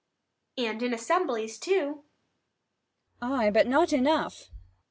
_ And in assemblies too. 60 Abb. Ay, but not enough.